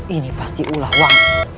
ini pasti ulah wang